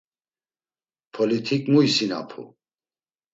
Pilot̆ik mu isinapu?